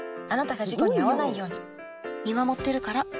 あなたが事故に遭わないように見守ってるから。